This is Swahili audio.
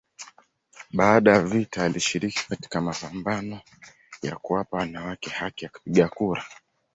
Baada ya vita alishiriki katika mapambano ya kuwapa wanawake haki ya kupiga kura.